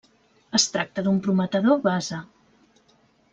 Es tracta d'un prometedor base.